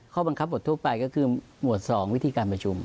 ข้อบังคับบททั่วไปก็คือหมวด๒วิธีการประชุม